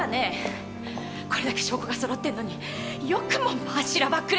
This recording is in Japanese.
これだけ証拠がそろってんのによくもまあしらばっくれて！